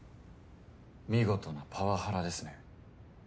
見事なパワハラですね。